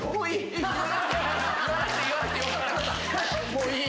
もういい。